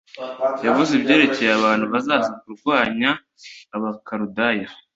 yavuze ibyerekeye abantu bazaza kurwanya abakaludaya